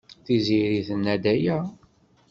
Tiziri tenna-d aya.